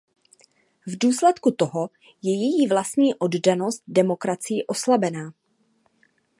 V důsledku toho je její vlastní oddanost demokracii oslabená.